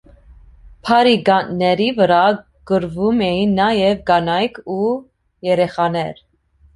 Բարիկադների վրա կռվում էին նաև կանայք ու երեխաներ։